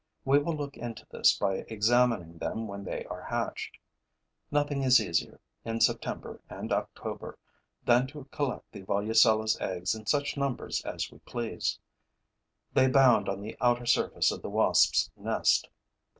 We will look into this by examining them when they are hatched. Nothing is easier, in September and October, than to collect the Volucella's eggs in such numbers as we please. They abound on the outer surface of the wasps' nest.